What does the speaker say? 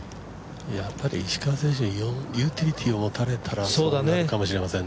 やっぱり石川選手ユーティリティーを持たれたらかもしれません。